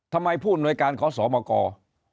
ทำไมผู้อำนวยการขอสอบอากร